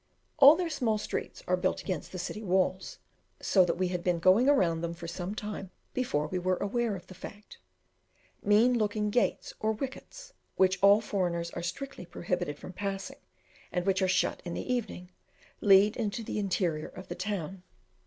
All their small streets are built against the city walls, so that we had been going round them for some time before we were aware of the fact. Mean looking gates or wickets, which all foreigners are strictly prohibited from passing, and which are shut in the evening, lead into the interior of the town.